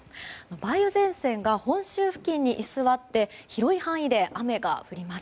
梅雨前線が本州付近に居座って広い範囲で雨が降ります。